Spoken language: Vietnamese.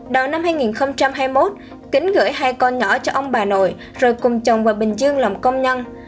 đầu năm hai nghìn hai mươi một kính gửi hai con nhỏ cho ông bà nội rồi cùng chồng vào bình dương làm công nhân